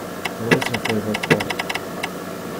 What is your favorite quote?